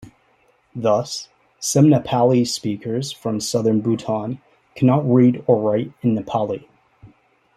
Thus, some Nepali speakers from southern Bhutan can not read or write in Nepali.